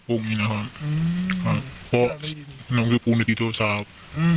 พ่อกีกนะครับอืมเพราะว่าลูกทั้งสองคนก็ติดโทรศัพท์อืม